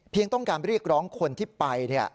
เพียงต้องการรีกร้องคนที่ไปเนี่ย